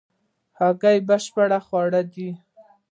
هګۍ بشپړ خواړه دي